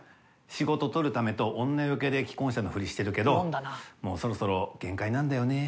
仕事取るためと女よけで既婚者のふりしてるけどもうそろそろ限界なんだよね。